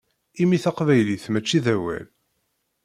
Imi taqbaylit mačči d awal.